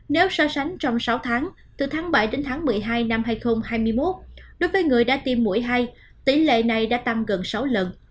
nếu so sánh trong sáu tháng từ tháng bảy đến tháng một mươi hai năm hai nghìn hai mươi một đối với người đã tiêm mũi hai tỷ lệ này đã tăng gần sáu lần